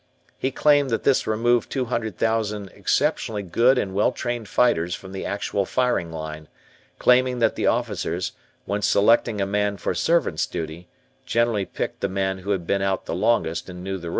He claimed that this removed two hundred thousand exceptionally good and well trained fighters from the actual firing line, claiming that the officers, when selecting a man for servant's duty, generally picked the man who had been out the longest and knew the ropes.